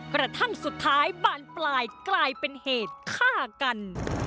กระทั่งสุดท้ายบานปลายกลายเป็นเหตุฆ่ากัน